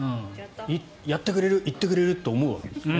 やってくれる行ってくれるって思うわけですね。